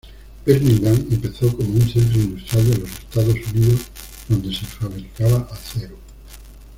Birmingham empezó como un centro industrial de los Estados Unidos donde se fabricaba acero.